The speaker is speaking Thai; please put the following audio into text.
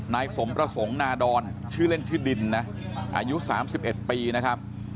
นายสมประสงค์นาดอนชื่อเล่นชื่อดินนะอายุ๓๑ปีนะครับ